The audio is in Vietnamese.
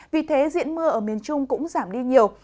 vì thế diện mưa ở miền trung cũng giảm đi nhiều